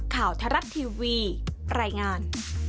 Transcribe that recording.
ข่าวทรัศน์ทีวีรายงาน